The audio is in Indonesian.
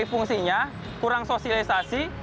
mengetahui fungsinya kurang sosialisasi